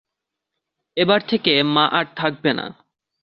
এবার থেকে মা আর থাকবে না।